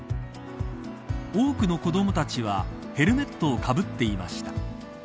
多くの子どもたちはヘルメットをかぶっていました。